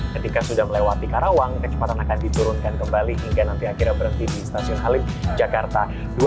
ketika sudah melewati karawang kecepatan akan diturunkan kembali hingga nanti akhirnya berhenti di stasiun halim jakarta